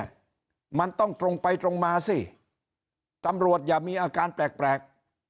แต่มันต้องตรงไปตรงมาสิตำรวจอย่ามีอาการแปลกแปลก